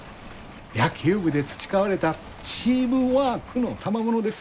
野球部で培われたチームワークのたまものです。